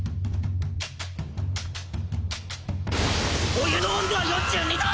お湯の温度は４２℃！